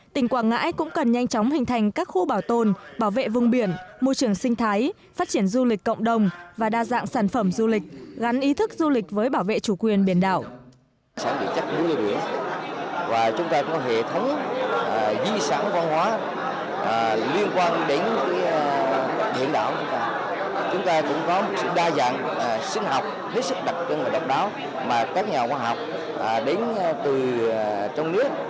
tình quảng ngãi cũng cần nhanh chóng hình thành các khu bảo tồn bảo vệ vùng biển môi trường sinh thái phát triển du lịch cộng đồng và đa dạng sản phẩm du lịch gắn ý thức du lịch với bảo vệ chủ quyền biển đảo